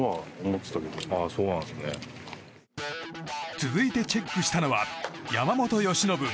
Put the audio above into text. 続いてチェックしたのは山本由伸。